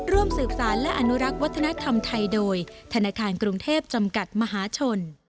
ร่วมสืบสารและอนุรักษ์วัฒนธรรมไทยโดยธนาคารกรุงเทพจำกัดมหาชน